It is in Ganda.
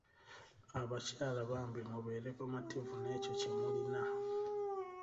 Abakyala bambi mubeere bamativu n'ekyo kye mulina.